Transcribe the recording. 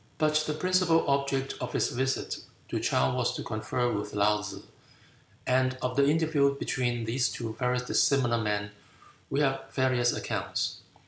But the principal object of his visit to Chow was to confer with Laou tsze; and of the interview between these two very dissimilar men we have various accounts.